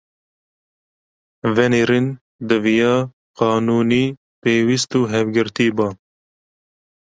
venêrîn diviya “qanûnî”, pêwîst û hevgirtî” ba;